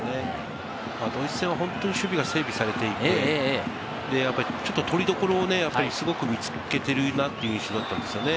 ドイツ戦は本当に守備が整備されていて、取りどころをすごく見つけているなという感じでしたね。